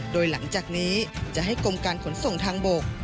โดยหลังจากนี้จะให้กรมการขนส่งทางบก